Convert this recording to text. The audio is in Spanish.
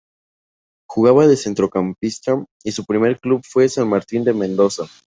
Jugaba de centrocampista y su primer club fue San Martín de Mendoza.